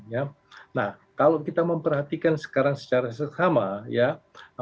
nah kalau kita memperhatikan sekarang secara sesama ya